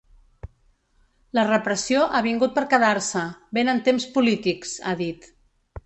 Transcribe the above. La repressió ha vingut per quedar-se, vénen temps polítics, ha dit.